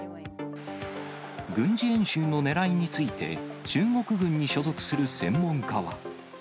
軍事演習のねらいについて、中国軍に所属する専門家は。